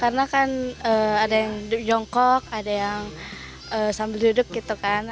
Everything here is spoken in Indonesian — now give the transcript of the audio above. karena kan ada yang duduk jongkok ada yang sambil duduk gitu kan